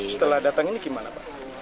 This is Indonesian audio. setelah datang ini gimana pak